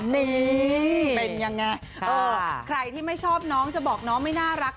นี่เป็นยังไงเออใครที่ไม่ชอบน้องจะบอกน้องไม่น่ารัก